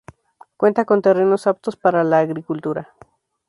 Cuenta con terrenos aptos para la agricultura.